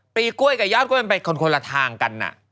ปรีกล้วยกับยอดกล้วยมันไปคนคนละทางกันอะ